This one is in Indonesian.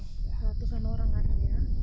tujuh ratusan orang kan ya